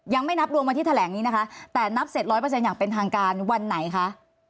ยังไม่นับรวมวันที่แถลงนี้นะคะแต่นับเสร็จร้อยเปอร์เซ็นอย่างเป็นทางการวันไหนคะ